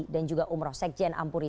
dan juga umro sekjen ampuri